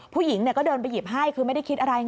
ผู้หญิงก็เดินไปหยิบให้คือไม่ได้คิดอะไร